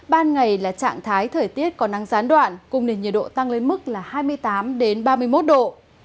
ban ngày là trạng thái thời tiết có nắng gián đoạn cùng nền nhiệt độ tăng lên mức là hai mươi tám ba mươi một độ